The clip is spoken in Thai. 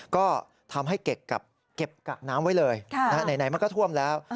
ก็ทำให้เก็บกักน้ำไว้เลยไหนมันก็ท่วมแล้ว